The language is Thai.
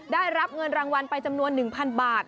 ได้รับเงินรางวัลไปจำนวน๑๐๐๐บาท